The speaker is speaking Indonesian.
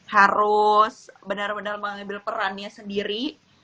harus benar benar mengambil perannya sendiri